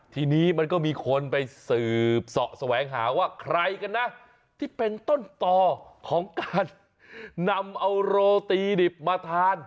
ทีนี้มันก็มีคนไปสืบเสาะแสวงหาว่าใครกันนะที่เป็นต้นต่อของการนำเอาโรตีดิบมาทาน